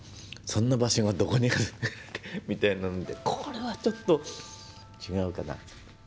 そんな場所がどこにあるみたいなものでこれはちょっと違うかなと。